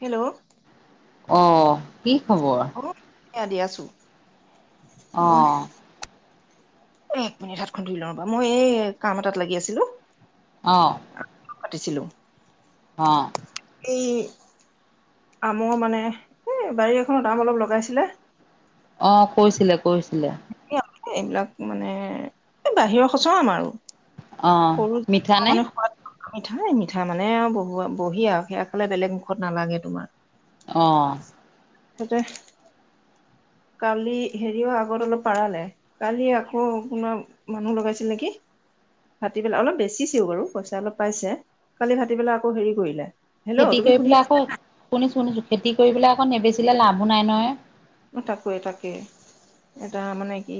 Hello আহ কি খবৰ? স দি আছো। অ। এ এক মিনিট হাতখন ধুই লওঁ ৰ'বা মই এই কাম এটাত লাগি আছিলো। অ। পাতিছিলো। হ। এই আমৰ মানে এ বাৰী এখনত আম অলপ লগাইছিলে অ কৈছিলে কৈছিলে। এই এইবিলাক মানে বাহিৰৰ সচৰ আম আৰু। অ' সৰু মিঠানে? মানে সোৱাদ মিঠাই মিঠা মানে আও বহুৱ বহি আও সেয়া খে বেলেগ মুখত নালাগে তোমাৰ। আহ। তাতে কালি হেৰি অঁ [unintelligible] অলপ পাৰালে কালি আকৌ কোনাৰ মানুহ লগাইছিল নেকি? ভাটতি পেলাই অলপ বেছিছেও বাৰু পইচা অলপ পাইছে কালি ভাটি পেলাই আকৌ হেৰি কৰিলে হেল্ল' খেতি তুমি কৰি শুনি পেলাই আছা আকৌ শুনিছো শুনিছো। খেতি কৰি পেলাই আকৌ নেবেচিলে লাভো নাই নহয়। তাকো এ তাকে এটা মানে কি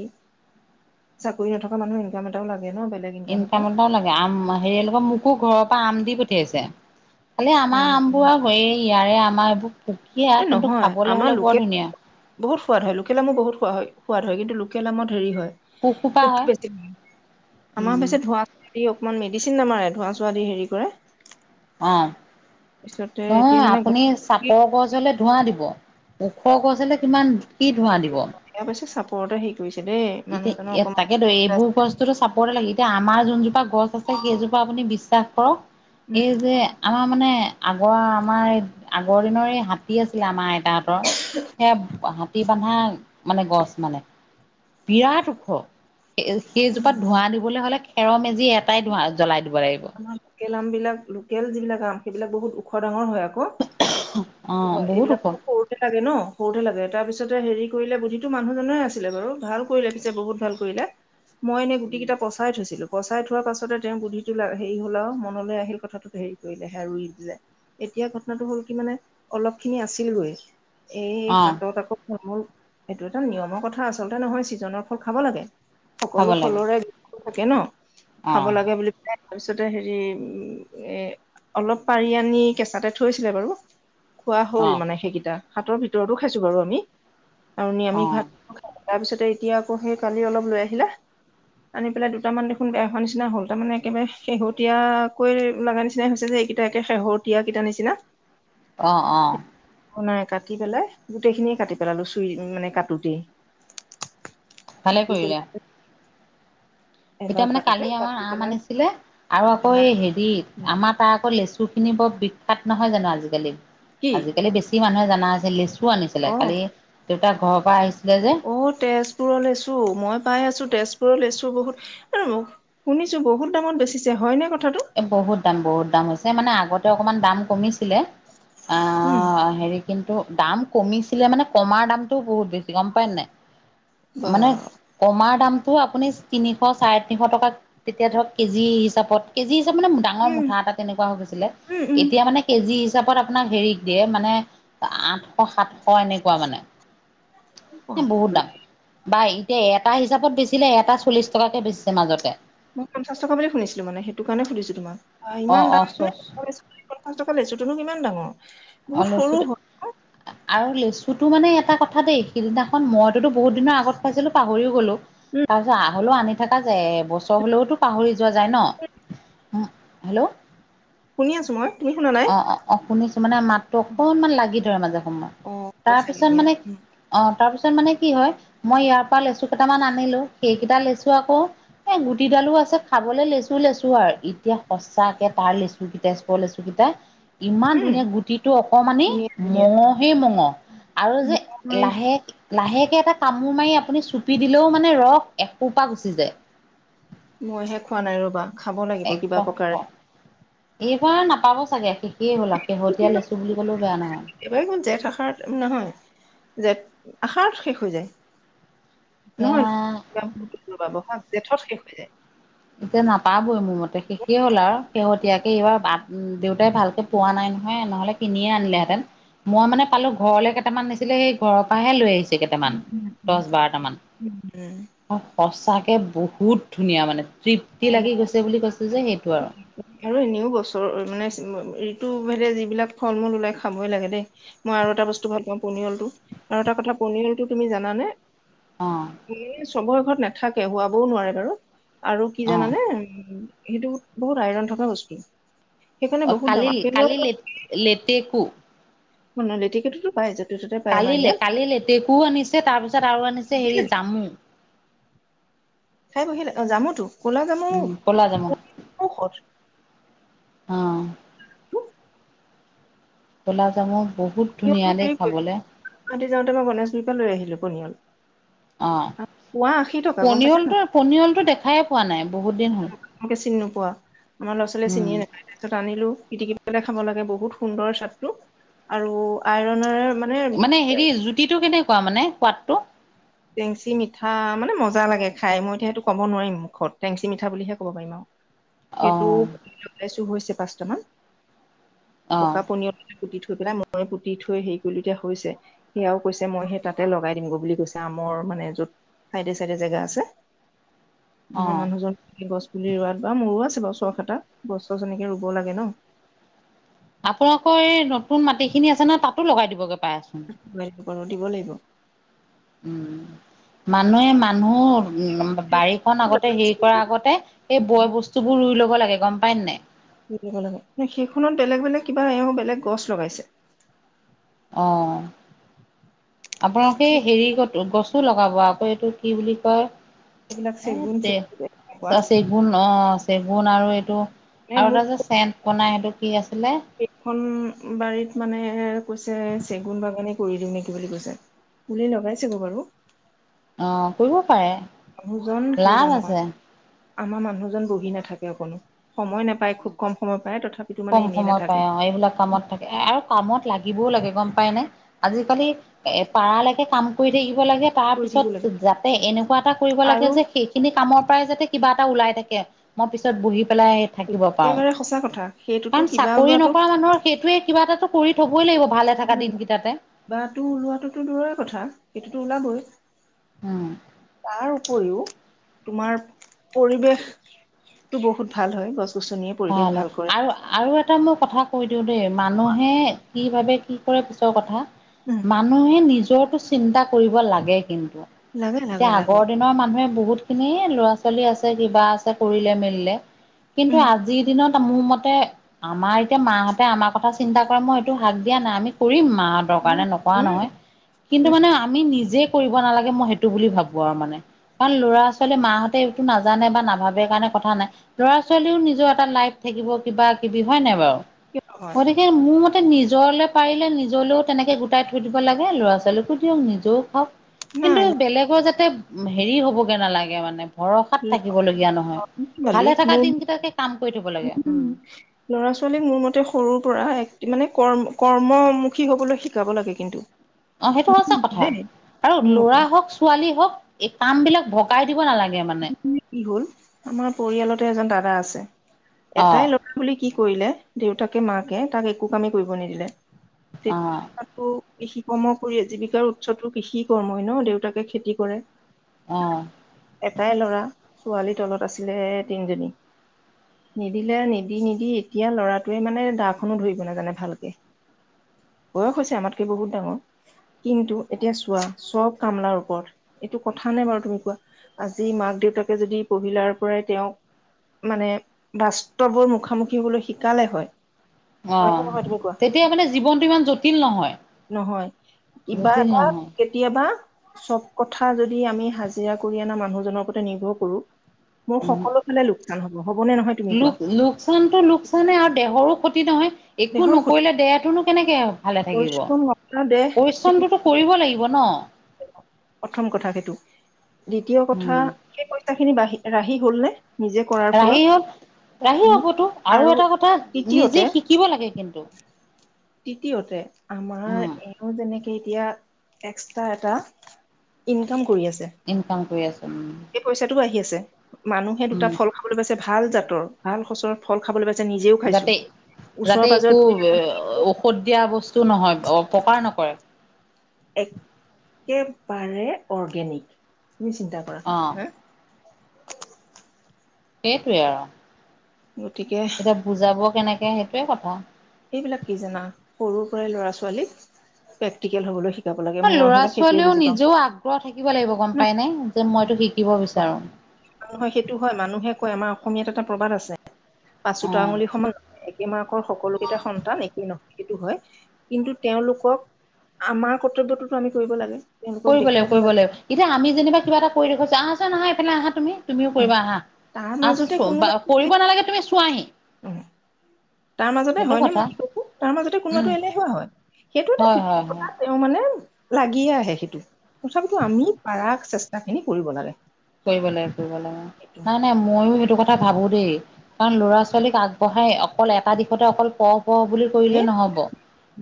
চাকৰি নথকা মানুহ ইনকাম এটাও লাগে। ন বেলেগ ইনকাম এটাও ইনকামটাও লাগে আম হেৰিলৰ মোকো ঘৰৰ পৰা আম দি পঠিয়াইছে। খালি অ আমাৰ আম বোৰ আৰু হয় ইয়াৰে আমাৰ এইবোৰ পুকীয়া এ কিন্তু নহয় খাবলৈ আমাৰ হ'লে বৰ লোকেল ধুনীয়া বহুত সোৱাদ হয় লোকেল মো বহুত সোৱাদ হয়। সোৱাদ হয় কিন্তু লোকেল আামৰ হেৰি পোক সোপা হয় হয় বেছি আমাৰ উম বেছ ধোঁৱা অকমান মেডিচিন নামাৰে ধোঁৱাই দি হেৰি কৰে অ পিছতে এতিয়া নহয় মানে ঘ আপুনি চাপৰ গছ হলে ধোঁৱা দিব, ওখ গছ হলে কিমান কি ধোঁৱা দিব বেছি চাপৰতে হেৰি কৰিছে দেই। মানুহজনৰ এতিয়া অকমান তাকে ত এইবোৰ বস্তু চাপৰে লাগি এতি আমাৰ যোনজোপা গছ আছে সেইজোপা আপুনি বিশ্বাস কৰক, উম এই যে আমাৰ মানে আগৰ আমাৰ আগৰ দিনৰ এই হাতী আছিলে আমাৰ আইত তাহতৰ সেয়া হাতী বন্ধা মানে গছ মানে। বিৰাট ওখ সেইজোপাত ধোঁৱা দিবলৈ হলে খেৰৰ মেজি যি এটাই ধ জ্বলাই দিব লাগিব আমাৰ লোকেল আম বিলাক, লোকেল যিবিলাক আম সেইবিলাক বহুত ওখ ডাঙৰ হয় আ। ক অ হয় বহুত এইবিলাক ওখ খুব সৰুতে লাগে ন সৰুতে লাগে তাৰ পিছত তাৰ পিছতে হেৰি কৰিলে বুদ্ধিটো মানুহজনেৰে আছিলে বাৰু ভাল কৰিলে পিছে বহুত ভাল কৰিলে মই এনে গুটি কেইটা পচাই থৈছিলো পচাই থোৱাৰ পাছতে তেওঁ বুধি হেৰি হলাও মনলৈ আহিল কথাটোত হেৰি কৰিলে হে ৰুই দিলে এতিয়া ঘটনাটো হ'ল কি মানে অলপ খিনি আছিলগৈ এই অ হাতত আকৌ মোৰ এইটো এটা নিয়মৰ কথা আচলতে নহয় ছিজনৰ ফল খাব লাগে। খাব সকলো লাগে ফলৰে থাকে ন অ খাব লাগে বুলি পেলাই তাৰপিছতে হেৰি উ এ অলপ পাৰি আনি কেঁচাতে থৈছিলে বাৰু খোৱা অ হ'ল মানে সেইকেইটা হাতৰ ভিতৰতো খাইছো বাৰু আমি আৰু অ নিৰামিষ ভাত তাৰপিছতে এতিয়া আকৌ সেই কালি অলপ লৈ আহিলা আনি পেলাই দুটামান দেখোন বেয়া হোৱা নিচিনা হ'ল তাৰমান একেবাৰে শেহতীয়াকৈ লগা নিচিনাই হৈছে যে এইকেইটা একে শেহতীয়াকেইটা নিচিনা আহ আহ নাই কাটি পেলাই গোটেইখিনিয়ে কাটি পেলালো চুই মানে কাটোতেই ভালে কাটি কৰিলে পেলাই এবাৰ এতিয়া মানে কাটোতে কালি আমা কাটি শৰ আম পেলাই আনিছে ছিলে আৰু আকৌ এই হেৰি আমাৰ তাৰ আকৌ লেচু খিনি বৰ বিখ্যাত নহয় জানো আজিকালি কি আজিকালি বেছি মানুহে জানা আছিল লেচু আনিছিলে অ কালি দেউতা ঘৰৰ পৰা আহিছিল। অ তেজপুৰলৈছো মই পাই আছো তেজপুৰ লেচু বহুত শুনিছো বহুত দামত বেছিছে হয় নে? এ বহুত দাম বহুত দাম হৈছে মানে আগতে অকমান দাম কমিছিলে? অ উম হেৰি কিন্তু দাম কমিছিলে মানে কমাৰ দামটো বহুত বেছি গম পায় নে নাই? মানে বাহ কমাৰ দাম ত' আপুনি তিনিশ চাৰে তিনিশ টকা তেতিয়া ধৰক কেজি হিচাপত কেজি মানে ডাঙৰ উম মুঠা এটা তেনেকুৱা হৈ গৈছিলে উম উম এতিয়া মানে কেজি হিচাপত আপোনাক হেৰিক দিয়ে মানে আঠশ সাতশ এনেকুৱা মানে বহুত এ দাম বাপৰে, বা এতিয়া এটা হিচাপত বেচিলে এটা চল্লিছ টকাকৈ বেচিছে মাজতে মই পঞ্চাশ টকা বুলি শুনিছিলো মানে সেইটো কাৰণে সুধিছো তোমাক অ ইমান অ দাম নে চচ এটা লেচু পঞ্চাশ টকা লেচুটোনো কিমান ডাঙৰ অ বহুত সৰু লেচুটো হয় আৰু লেচুটো মানে এটা কথা দেই সিদিনা মইতো বহুত দিনৰ আগত খাইছিলো পাহৰিও গ'লো উম তাৰ পিছত আহ হ'লেও আনি থকা যায় বছৰ হলেওতো পাহৰি যোৱা যায় ন হেল্ল' শুনি আছো মই তুমি শুনা নাই অ অ অ শুনিছো মানে মাত অকনমান লাগি ধৰে মাজে সময় অ কৈছা গে তাৰপিছত দিয়া মানে উম অ তাৰ পিছত মানে কি হয় মই ইয়াৰ পৰা লেচু কেইটামান আনিলো সেইকেইটা লেচু আকৌ এ গুটিডালো আছে খাবলৈ লেচু লেচু আৰু এতিয়া সঁচাকে তাৰ লেচু কি তেজপুৰৰ লেচু কেইটা টা ইমান ধুনীয়া গুটিটো অকমানি ধুনীয়া ধুনীয়া মঙহে মঙহ আৰু যে মই লাহেকে লাহেকে এটা কামোৰ মাৰি আপুনি চুপি দিলেও মানে ৰস একোপা গুচি যায় মইহে খোৱা নাই ৰবা খাব লাগিব কিবা একদম প্ৰকাৰে এইবাৰ নাপাব চাগে সি কি হ'লা শেহতীয়া লেচু বুলি ক'লেও বেয়া নহয় একেবাৰে যে আষাৰত শেষ হৈ যায় নহয় এতিয়া নহয় জেঠত শেষ হৈ যায়। এতিয়া নাপাবই মোৰ মতে শেষেইে হ'ল আৰু শেহতীয়াকে এইবাৰ বাট উম দেউতাই ভালকে পোৱা নাই নহয় নহ'লে কিনিয়ে আনিলেহেঁতেন? মই মানে পালো ঘৰলৈ কেইটামান নিছিলে সেই ঘৰৰ পাহে লৈ আহিছো কেইটামান উম উম দছ বাৰটা মান উম। সঁচাকে বহুত ধুনীয়া মানে তৃপ্তি লাগি গৈছে বুলি কৈছে যে সেইটো আৰু আৰু এনেও বছৰ মানে ঋতু ভেদে যিবিলাক ফল মূল ওলাই খাবই লাগে দেই মই আৰু এটা বস্তু ভাল পাওঁ পনিয়াল টো আৰু এটা কথা পনিয়লটো তুমি জানানে? বুলিয়ে চবৰে ঘৰত নাথাকে শুৱাবও নোৱাৰে বাৰু। আৰু কি অ জানানে সেইটো বহুত আইৰন থকা বস্তু। সেইকাৰণে অহ, বহুত দাম কালিলি - আপেলৰ কালিলে- লেতেকো [unintelligible] লেতেকুটোতো পায় য কালিলে -কালি লেটেকু আনিছে তাৰপিছত আৰু আনিছে বঢ়িয়া হেৰি লাগে জামু। খাই বহিলে অহ জামুতো। কলা জামো উম ক'লা জামু ঔষধ অ গুলাব জামু, বহুত পনিয়ল ধুনীয়া টো দেই হেৰি কৰি খাবলে গুৱাহাটী যাওঁতে মই গণেশ গুৰিৰ পৰা লৈ আহিলো পনিয়ল। অহ, পোৱা আশী টকা গম পাইছা পনিয়লটো নাই -পনিয়লটো দেখাই পোৱা নাই। বহুত দিন হ'ল তোমালোকে চিনি নোপোৱা আমাৰ ল'ৰা- ছোৱালীয়ে উম চিনিয়ে নোপায় তাৰপিছত আনিলো। পিটিকি পেলাই খাব লাগে বহুত সুন্দৰ চাদটো আৰু আইৰনৰে মানে হেৰি জুতিটো কেনেকুৱা মানে সোৱাদটো? টেংচি- মিঠা মানে মজা লাগে খাই মই এতিয়া সেইটো ক'ব নোৱাৰিম মুখত টেংচি -মিঠা বুলিহে ক'ব পাৰিম আৰু। অ সেইটো লগাইছো [unintelligible] অ পকা পনিয়ল [unintelligible] পুতি থৈ পেলাই মই পুতি থৈ হেৰি কৰিলো এতিয়া হৈছে সেয়াও কৈছে মই সেই তাতে লগাই দিম গৈ বুলি কৈছে। কামৰ মানে যত চাইডে -চাইডে জেগা আছে। অ আমাৰ মানুহজন এ' গছ পুলি ৰোৱাত বা মোৰো আছে বাৰু। চখ এটা গছ - গছনিকে ৰুব লাগে ন'। আপোনালোকৰ এই নতুন মাটি খিনি আছে ন' তাতো লগাই দিবগৈ। [unintelligible] দিব লাগিব। উম, মানুহে মানুহ হম, বাৰীখন আগতে হেৰি কৰা আগতে সেই উম, বয় বস্তু বোৰ ৰুই লব লাগে গম পায় নে নাই। সেইখনত বেলেগ- বেলেগ কিবা এও বেলেগ গছ লগাইছে। অহ, আপোনালোকে হেৰি কত গছো লগাব আকৌ এইটো কি বুলি কয় এইবিলাক এ' চেগুন তে চেগুন তেনেকুৱা চেগুন অহ চেগুন আৰু এইটো এ আৰু এটা মোক যে চেণ্ট বনাই সেইটো কি আছ এইখন বাৰীত মানে কৈছে চেগুন বাগানে কৰি দিওঁ নেকি বুলি কৈছে। নিজে লগাইছে গৈ বাৰু। অহ, কৰিব পাৰে। ভুজন কি লাভ জানা? আছে। আমাৰ মানুহজন বহি নাথাকে অকণো সময় নাপায় খুব কম সময় পায় তথা কম সময় পায় অহ এইবিলাক কামত থাকে আৰু কামত লাগিবও লাগে গম পাই নে আজিকালি এ' পাৰালৈকে কাম কৰি থাকিব লাগে কৰি থাকিব তাৰপিছত লাগে যাতে এনেকুৱা এটা কৰিব লাগে আৰু যে সেইখিনি কামক পাই যাতে কিবা এটা ওলাই থাকে মই পিছত বহি পেলাই থাকিব পাৰো। একেবাৰে সঁচা কথা সেইটোতো কাৰণ কিবা চাকৰি ওলোৱাটো নকৰা মানুহৰ সেইটোয়ে কিবা এটাটো কৰি থবই লাগিব। ভালে থকা উম, দিনকেইটাতে। বা তো ওলোৱাটোতো দূৰৰে কথা সটোতো ওলাবই। উম। তাৰ উপৰিও তোমাৰ পৰিৱেশটো বহুত ভাল হয় গছ গছনিয়ে পৰিৱেশ ভাল কৰে আৰু- আৰু এটা এটা মই কথা কৈ দিওঁ দেই, মানুহে কি ভাবে কি কৰে পিছৰ কথা উম মানুহে নিজৰটো চিন্তা কৰিব লাগে কিন্তু, লাগে এতিয়া লাগে লাগে আগৰ দিনৰ মানুহে বহুত খিনি ল'ৰা -ছোৱালী আছে, কিবা আছে কৰিলে মেলিলে কিন্তু উম আজি আজিৰ দিনত মোৰ মতে আমাৰ এতিয়া মাহঁতে আমাৰ কথা চিন্তা কৰে মই সেইটো হাক দিয়া নাই আমি কৰিম। মাহ দৰকাৰ উম নাই নকৰা উম নহয় কিন্তু, উম মানে আমি নিজ নিজে কৰিব নালাগে মই সেইটো বুলি ভাবো আৰু মানে। কাৰণ ল'ৰা -ছোৱালীয়ে মাহঁতে এইটো নাজানে বা নাভাবে কাৰণে কথা নাই ল'ৰা ছোৱালীও নিজৰ এটা লাইফ থাকিব কিবা। কিয় নহয় নি্জৰলে পাৰিলে নিজলেও তেনেকে গোটাই থৈ দিব লাগে ল'ৰা ছোৱালীকো দিয়ক কিন্তু নাই নাই বেলেগৰ ভৰসাত থাকিবলগীয়া ল'ৰা ছোৱালীক মোৰ কাম কৰি থব লাগে উম ল'ৰা ছোৱালীক মোৰ মতে সৰু মানে কৰ্ম কৰ্মমুখী হ'বলৈ শিকাব লাগে কিন্তু অ সেইটো সচা কথা দেই আৰু মোৰ মতে ল'ৰা হওক ছোৱালী হওক এই কাম বিলাক ভগাই দিব নালাগে মানে কি হল আমাৰ পৰিয়ালতে এজন দাদা আছে অ এটাই লৰা বুলি কি? কৰিলে দেউতাকে মাকে তাক একো কামেই কৰিব নিদিলে। অ তেতিয়া তাতো কৃষি কৰ্ম কৰিয় জীৱিকাৰ উৎসতো কৃষি কৰ্মই ন দেউতাকে খেতি কৰে। আহ। এটাই ল'ৰা ছোৱালীৰ তলত আছিলে তিনিজনী নিদিলে নিদি নিদি এতিয়া লৰাটোৱে মানে দাখনো ধৰিব নাজানে ভালকে বয়স হৈছে আমাতকে বহুত ডাঙৰ। কিন্তু এতিয়া চোৱা চব কামলাৰ ওপৰত। এইটো কথা নে বাৰু তুমি কোৱা? আজি মাক দেউতাকে যদি পভিলাৰ পৰাই তেওঁক মানে বাস্তৱৰ মুখামুখি হবলৈ শিকালে হয়। অ হয়নে নহয় তুমি কোৱা তেতিয়া মানে জীৱনটো ইমান জটিল নহয়। নহয় কিবা জটিল এটা নহয় কেতিয়াবা চব কথা যদি আমি হাজিৰা কৰি আনা মানুহজনৰ ওপতে নিৰ্ভৰ কৰো। মোৰ সকলো ফালে লোকচান হ'ব। হ'বনে নহয় তুমি কোৱা লোক লোকচানতটো লোকচানে আৰু দেহৰো ক্ষতি নহয়। একো দেহৰ ক্ষতি নকৰিলে দেহাতনো কেনেকে ভালে থাকিব। পৰিশ্ৰম নকৰা দেহ সেইটো পৰিশ্ৰমতোটো কৰিব লাগিব ন। প্ৰথম কথা সেইটো, দ্বিতীয় কথা উম খিনি বাঢ়ি ৰাহি হ'ল নে। নিজে কৰাৰ ৰাহি ফলত। হল ৰাহি উম হ'বতো। আৰু এটা কথা তৃতীয়তে নিজে শিকিব লাগে কিন্তু। তৃতীয়তে আমাৰ উম এওঁ যেনেকে এতিয়া এক্সট্ৰা এটা ইনকাম কৰি আছে ইনকাম কৰি আছে। সেই পইচাটো আহি আছে মানুহে দুটা উম ফল খাবলৈ পাইছে ভাল জাতৰ ভাল সচলৰ ফল খাবলৈ পাইছে। নিজেও খাইছো যাতে ওচৰ যাতে পাজৰ একো দুই এজন ঔষধ দিয়া বস্তু নহয়। অ অপকাৰ নকৰে। একেবাৰে অৰ্গেনিক তুমি চিন্তা কৰা অ হা। সেইটোৱে আৰু। গতিকে এতিয়া বুজাব কেনেকে সেইটোয়ে কথা। এইবিলাক কি জানা সৰুৰ পৰাই ল'ৰা ছোৱালী প্ৰেক্টিকেল হবলৈ শ ল'ৰা ছোৱালীও নিজেও আগ্ৰহ থাকিব লাগিব গম ন পাই নাই যে মইতো শিকিব বিচাৰো। মানুহয় সেইটো হয় মানুহে কয় আমাৰ অসমীয়াত এটা প্ৰবাদ আছে পাচোতা অ', আঙুলি সমান একেম আৰ সকলোক কেইটা সন্তান একেই নহয়। সেইটো হয় কিন্তু তেওঁলোকক আমাৰ কৰ্তব্যটোতো আমি কৰিব লাগে। তেওঁলোকক কৰিব লাগিব দেখুৱাব কৰিব লাগে লাগিব। এতিয়া আমি যেনিবা কিবা এটা কৰি দেখুৱাইছো আহ চোন আহা এইফালে আহা তুমি। তুমিও উম, কৰিবা আহা তাৰ মাজতে কোনোবা আহ [inaudible] কৰিব নালাগে তুমি চোৱাহি। [unintelligible] তাৰ মাজতে সেইটো হয় নে কথা মই কি কৈছো তাৰ মাজতে উম, কোনোবাটো এলেহুৱা হয় সেইটো এটা হয় হয় সুখ হয়। তেওঁ মানে লাগিয়ে আহে সেইটো, তথাপিতো আমি পাৰা চেষ্টা খিনি কৰিব লাগে। কৰিব লাগে কৰিব লাগে। সেইটো নাই নাই মইো সেইটো কথা কথা ভাবো দেই, কাৰণ ল'ৰা ছোৱালীক আগবঢ়াই অকল এটা দিশতে অকল প পঢ় বুলি কৰিলে এই নহব।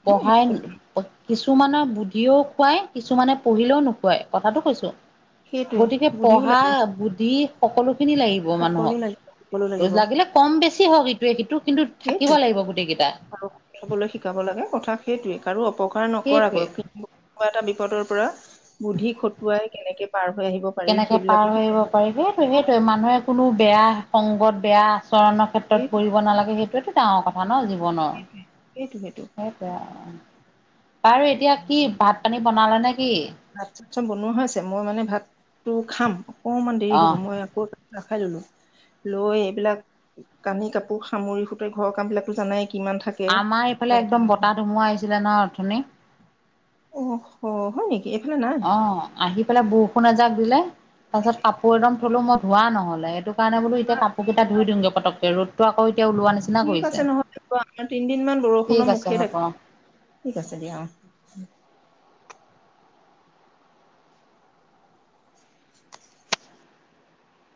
নহয় সেইটো পঢ়াই কথা কিছু কিছুমানৰ বুদ্ধিও খুৱাই, কিছুমানে পঢ়িলেও নোখুৱায়। কথাটো কৈছো। গতিকে সেইটোৱে। বুধিও পঢ়া লাগে বুদ্ধি সকলো খিনি লাগিব সকলো মানুহক। লাগিব সকলো লাগিব লাগিলে কম বেছি [unintelligible] থাকিব সেইটোৱে লাগিব গোটেই কেইটা চাবলৈ শিকাব লাগে। কথা সেইটোৱে। কাৰো অপকাৰ সেইটোৱে নকৰাকৈ, কোনা এটা বিপদৰ পৰা বুদ্ধি খটুৱাই কেনেকে পাৰ হৈ আহিব পাৰি কেনেকে পাৰ সেইবিলাকো হৈ আহিব শিকাব লাগে পাৰি। সেইটো সেইটোৱে মানুহে কোনো বেয়া সংগত বেয়া চৰণৰ ক্ষেত্ৰত সেইটোৱে কৰিব নালাগে। সেইটোৱেটো ডাঙৰ কথা ন জীৱনত। সেইটোৱে সেইটো সেইটো সেইটোৱে। বাৰু এতিয়া কি ভাত পানী বনালা নে? কি ভাত চাত চব বনোৱা হৈছে। মই মানে ভাতটো খাম। অকমান দেৰি অ হ'ব। মই আকৌ ৰখাই ললো। লৈ এইবিলাক কানি কাপোৰ সামুৰি সুতৰি ঘৰৰ কাম বিলাকটো জানাই কি আমাৰ এইফালে একদম বতাহ-ধুমুহা আহিছিলে নহয় অথনি। অ হ হয় নেকি? এইফালে নাই অ আহি পেলাই বৰষুণ এজাক দিলে। তাৰপিছত কাপোৰ একদম ধুলো, মই ধোৱা নহ'লে সেইটো কাৰণে বোলো এতিয়া আমাৰ কাপোৰ কেইটা ধুই দিওঁগে পটককে। ৰ'দটো আকৌ এতিয়া ওলোৱা নিচিনা ঠিক কৰিছে আছে নহলে আমাৰ তিনদিন মান ঠিক বৰষুণৰ আছে মুখে হ'ব দেখা অ নাই। ঠিক আছে দিয়া, অ।